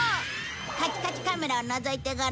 カチカチカメラをのぞいてごらん。